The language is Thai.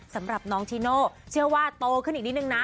สำหรับน้องจีโน่เชื่อว่าโตขึ้นอีกนิดนึงนะ